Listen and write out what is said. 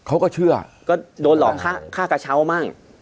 เขาก็เชื่อก็โดนหลอกฆ่ากระเช้ามั่ง